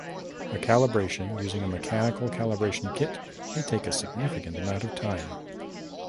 A calibration using a mechanical calibration kit may take a significant amount of time.